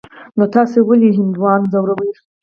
نو تاسې ولي هندوان ځوروئ.